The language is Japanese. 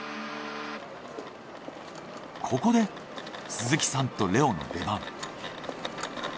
ここで鈴木さんとレオの出番。